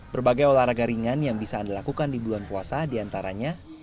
berbagai olahraga ringan yang bisa anda lakukan di bulan puasa diantaranya